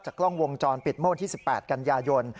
จากกล้องวงจรปิดโมนที่๑๘กันยายน